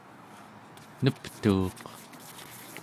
neptuuq